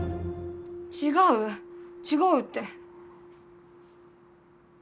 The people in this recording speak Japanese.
違う違うって！